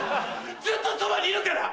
ずっとそばにいるから！